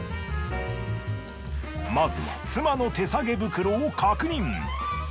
まずは妻の手さげ袋を確認。